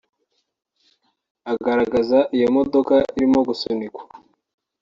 agaragaza iyo modoka irimo gusunikwa